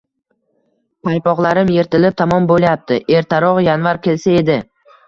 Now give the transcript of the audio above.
Paypoqlarim yirtilib tamom bo'lyapti. Ertaroq -yanvar kelsa edi...